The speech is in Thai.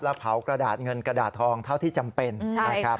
แล้วเผากระดาษเงินกระดาษทองเท่าที่จำเป็นนะครับ